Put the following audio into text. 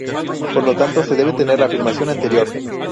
Por lo tanto se debe tener la afirmación anterior.